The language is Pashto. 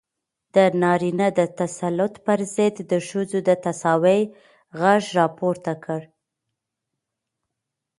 د نارينه د تسلط پر ضد د ښځو د تساوۍ غږ راپورته کړ.